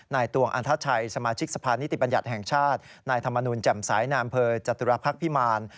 ตวงอันทชัยสมาชิกสภานิติบัญญัติแห่งชาตินายธรรมนุนแจ่มสายนามเภอจตุรพักษ์พิมาร